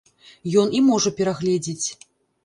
Ён і можа перагледзець.